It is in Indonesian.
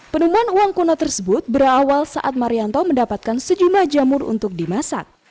penemuan uang kuno tersebut berawal saat marianto mendapatkan sejumlah jamur untuk dimasak